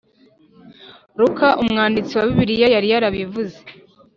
Luka umwanditsi wa Bibiliya yari yarabivuze